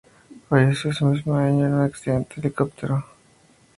Falleció ese mismo año en un accidente de helicóptero.